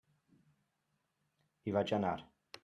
Hi vaig anar.